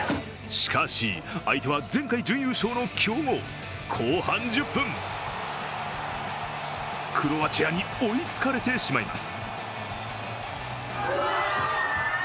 しかし、相手は前回準優勝の強豪後半１０分クロアチアに追いつかれてしまいます。